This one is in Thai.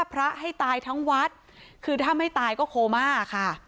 พระให้ตายทั้งวัดคือถ้าไม่ตายก็โคม่าค่ะ